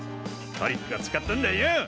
トリックを使ったんだよ。